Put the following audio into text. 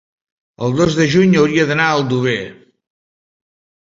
el dos de juny hauria d'anar a Aldover.